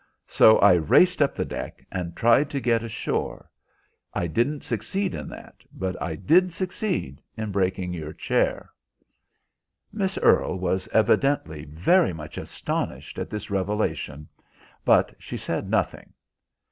So I raced up the deck and tried to get ashore. I didn't succeed in that, but I did succeed in breaking your chair." Miss Earle was evidently very much astonished at this revelation, but she said nothing.